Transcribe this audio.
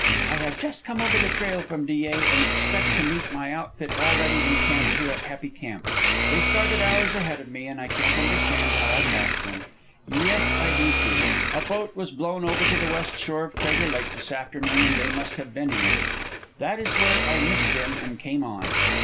I have just come over the trail from Dyea and expect to meet my outfit already in camp here at Happy Camp. They started hours ahead of me, and I can't understand how I passed them yes I do, too! A boat was blown over to the west shore of Crater Lake this afternoon, and they must have been in it. That is where I missed them and came on.